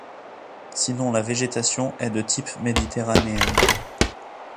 Sinon la végétation est de type méditerranéenne.